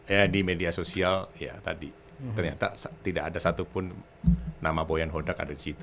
ya di media sosial ya tadi ternyata tidak ada satupun nama boyan hodak ada di situ